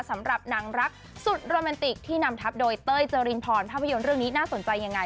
สำหรับนางรักสุดโรแมนติกที่นำทับโดยเต้ยเจรินพรภาพยนตร์เรื่องนี้น่าสนใจยังไง